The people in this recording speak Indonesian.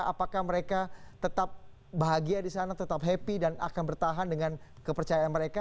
apakah mereka tetap bahagia di sana tetap happy dan akan bertahan dengan kepercayaan mereka